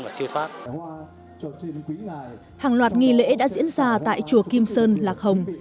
hàng loạt nghi lễ đã diễn ra tại chùa kim sơn lạc hồng